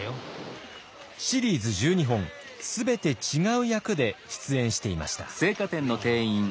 シリーズ１２本全て違う役で出演していました。